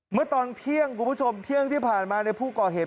เมื่อตอนเที่ยงคุณผู้ชมเที่ยงที่ผ่านมาในผู้ก่อเหตุ